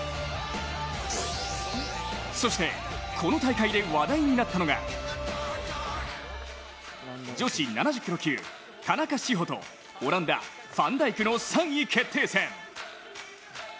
そしてこの大会で話題になったのが、女子７０キロ級・田中志歩とオランダ、ファンダイクの３位決定戦。